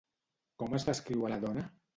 Com es descriu a la dona?